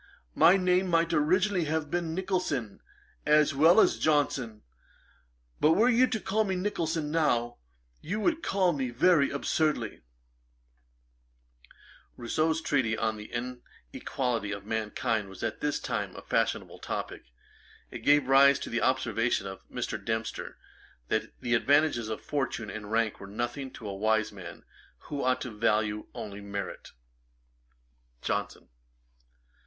My name might originally have been Nicholson, as well as Johnson; but were you to call me Nicholson now, you would call me very absurdly.' [Page 440: Merit set against fortune. A.D. 1763.] Rousseau's treatise on the inequality of mankind was at this time a fashionable topick. It gave rise to an observation by Mr. Dempster, that the advantages of fortune and rank were nothing to a wise man, who ought to value only merit. JOHNSON.